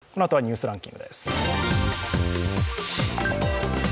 このあとは「ニュースランキング」です。